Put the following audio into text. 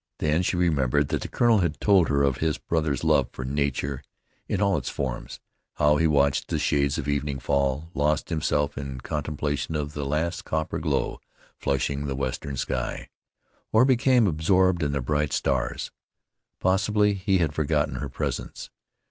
Then she remembered that the colonel had told her of his brother's love for nature in all its forms; how he watched the shades of evening fall; lost himself in contemplation of the last copper glow flushing the western sky, or became absorbed in the bright stars. Possibly he had forgotten her presence.